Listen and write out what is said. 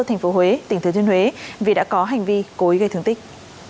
tp huế tp huế vì đã có hành vi cối gây thương tích